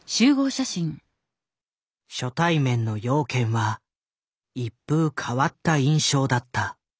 初対面の養賢は一風変わった印象だった。